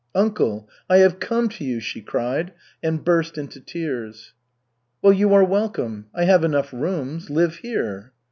"Uncle, I have come to you!" she cried, and burst into tears. "Well, you are welcome. I have enough rooms. Live here."